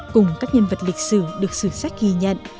cùng các nhân vật lịch sử được sử sách ghi nhận